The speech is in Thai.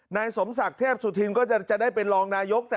นายสมศักดิ์เทพสุธินก็จะได้เป็นรองนายก